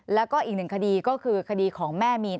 แล้วก็อีกหนึ่งคดีก็คือคดีของแม่มีน